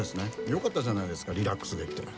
よかったじゃないですかリラックスできて。